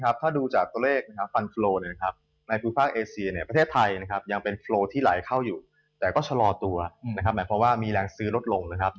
อ๋อก็คือเข้าอยู่นะประเทศไทยยังเข้าอยู่นะยังไม่ออกนะครับ